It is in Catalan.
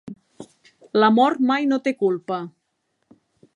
La mort mai no té culpa.